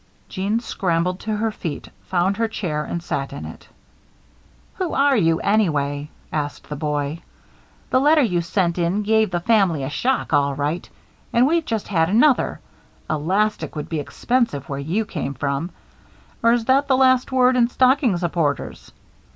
Jeanne scrambled to her feet, found her chair, and sat in it. "Who are you, anyway?" asked the boy. "The letter you sent in gave the family a shock, all right. And we've just had another. Elastic must be expensive where you came from; or is that the last word in stocking supporters?